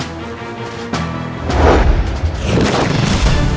untuk disepak undergraduate